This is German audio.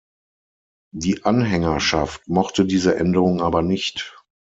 Die Anhängerschaft mochte diese Änderung aber nicht.